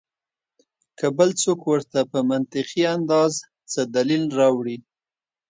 کۀ بل څوک ورته پۀ منطقي انداز څۀ دليل راوړي